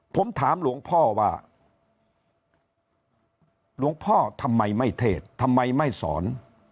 ผมถามหลวงพ่อว่าหลวงพ่อทำไมไม่เทศทำไมไม่สอน